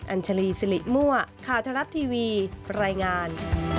ัญชาลีสิริมั่วข่าวทะลัดทีวีรายงาน